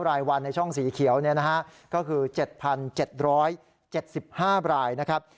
รายวันในช่องสีเขียวก็คือ๗๗๕รายนะครับ